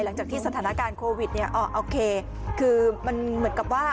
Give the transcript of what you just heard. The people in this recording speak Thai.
หลังจากที่สถานการณ์โควิดคือเหมือนกับว่า